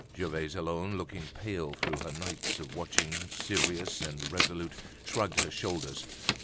Gervaise alone, looking pale through her nights of watching, serious and resolute, shrugged her shoulders.